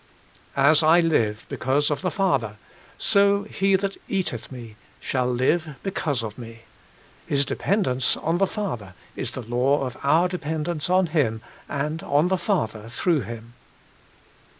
' As I live because of the Father, so he that eateth Me shall live because of Me.' His dependence on the Father is the law of our dependence on Him and on the Father through Him.